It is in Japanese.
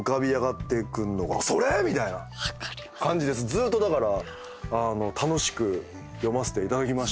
ずっとだから楽しく読ませていただきました。